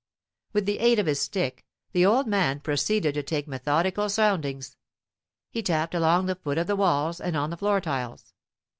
With the aid of his stick, the old man proceeded to take methodical soundings. He tapped along the foot of the walls and on the floor tiles..